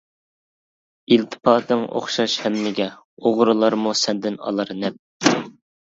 ئىلتىپاتىڭ ئوخشاش ھەممىگە، ئوغرىلارمۇ سەندىن ئالار نەپ.